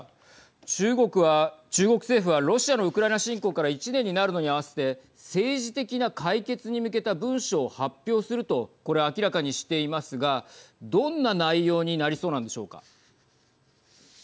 中国は、中国政府はロシアのウクライナ侵攻から１年になるのに合わせて政治的な解決に向けた文書を発表するとこれ明らかにしていますがどんな内容になりそうなんでしょうか。